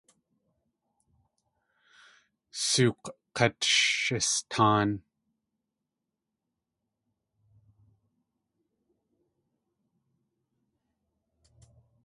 Sook̲ kát sh istáan.